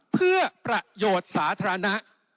เพื่อประโยชน์สาธารณะ